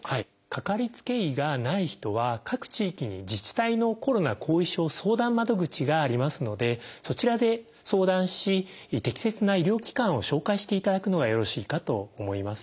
かかりつけ医がない人は各地域に自治体のコロナ後遺症相談窓口がありますのでそちらで相談し適切な医療機関を紹介していただくのがよろしいかと思います。